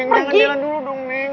neng jangan jalan dulu dong neng